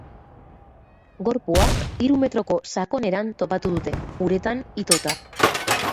Gorpua hiru metroko sakoneran topatu dute, uretan itota.